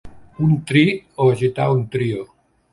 Un tri, o agitar un trio.